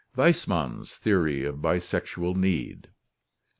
Weismann's Theory of Bisexual Need.